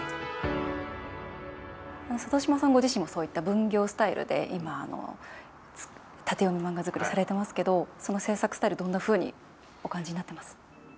佐渡島さんご自身もそういった分業スタイルで今縦読み漫画作りされてますけどその制作スタイルどんなふうにお感じになっています？